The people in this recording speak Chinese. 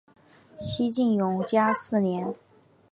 西晋永嘉四年。